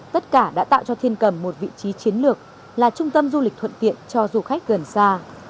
tất cả đã tạo cho thiên cầm một vị trí chiến lược là trung tâm du lịch thuận tiện cho du khách gần xa